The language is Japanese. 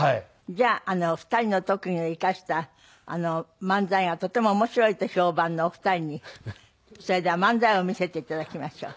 じゃあ２人の特技を生かした漫才がとても面白いと評判のお二人にそれでは漫才を見せて頂きましょう。